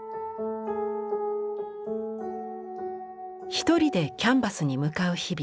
ひとりでキャンバスに向かう日々。